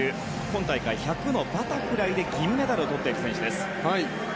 今大会１００のバタフライで銀メダルをとっている選手です。